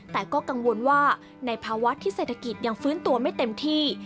แต่ก็กังวลว่าในภาวะที่เศรษฐกิจยังฟื้นตัวไม่เต็มที่